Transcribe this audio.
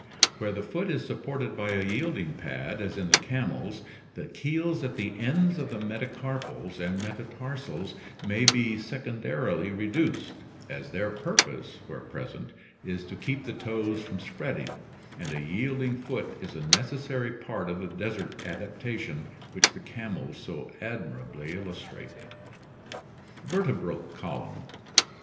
Where the foot is supported by a yielding l82 ORGANIC EVOLUTION pad, as in the camels, the keels at the ends of the metacarpals and metatarsals may be secondarily reduced, as their purpose, where present, is to keep the toes from spreading, and a yielding foot is a necessary part of the desert adaptation which the camels so ad mirably illustrate (see Chapter XXXVI). Vertebral Column.